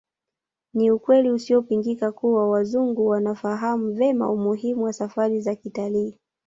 Ni ukweli usiopingika kuwa Wazungu wanafahamu vyema umuhimu wa safari za kitalii